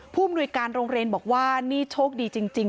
ผู้อำนวยการโรงเรียนบอกว่านี่โชคดีจริง